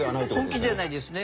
本気じゃないですね。